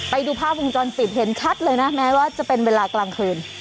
ไปดูภาพวงจรปิดเห็นชัดเลยนะแม้ว่าจะเป็นเวลากลางคืน